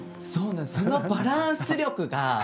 そのバランス力が。